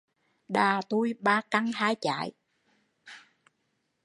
Đà tui ba căn hai chái